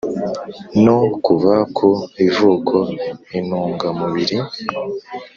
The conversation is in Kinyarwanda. no kuva ku ivuko intungamubiri